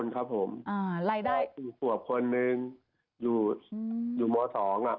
เหล่าหนึ่งเกี่ยวกับหนึ่งยูหม้อสอง